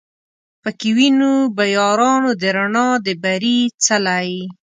پکښی وینو به یارانو د رڼا د بري څلی